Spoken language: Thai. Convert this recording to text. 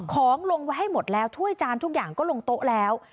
ของลงไว้ให้หมดแล้วถ้วยจานทุกอย่างก็ลงโต๊ะแล้ว